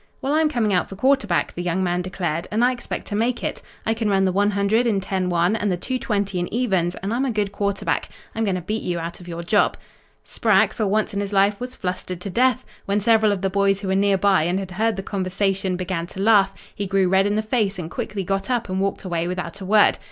"'Well, I'm coming out for quarterback,' the young man declared, 'and I expect to make it. I can run the 100 in ten one and the 220 in evens and I'm a good quarterback. I'm going to beat you out of your job.' "Sprack, for once in his life, was flustered to death. When several of the boys who were nearby and had heard the conversation, began to laugh, he grew red in the face and quickly got up and walked away without a word.